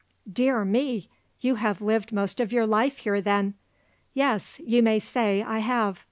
"Dear me; you have lived most of your life here, then." "Yes; you may say I have."